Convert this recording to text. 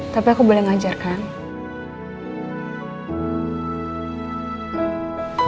tapi aku boleh ngajarkan